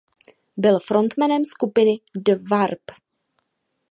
Byl frontmanem skupiny The Warp.